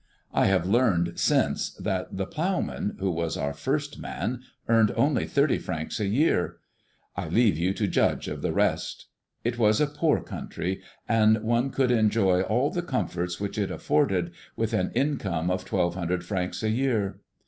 I have learned since that the ploughman, who was our first man, earned only thirty francs a year. I leave you to judge of the rest. It was a poor country, and one could enjoy all the comforts which it afforded with an income of twelve hundred francs a year.